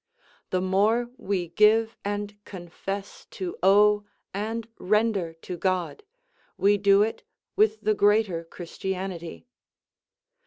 The more we give and confess to owe and render to God, we do it with the greater Christianity.